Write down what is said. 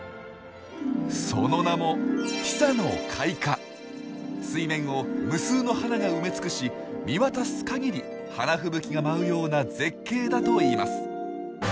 その名も水面を無数の花が埋め尽くし見渡す限り花吹雪が舞うような絶景だといいます。